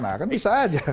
nah kan bisa aja